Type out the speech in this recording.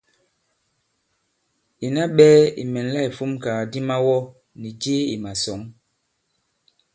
Ìna ɓɛɛ̄ ì mɛ̀nla ìfumkàgàdi mawɔ nì jee ì màsɔ̌ŋ.